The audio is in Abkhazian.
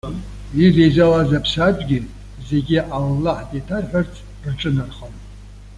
Идеизалаз аԥсаатәгьы, зегьы Аллаҳ деиҭарҳәарц рҿынархон.